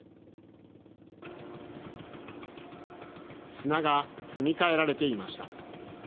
砂が積み替えられていました。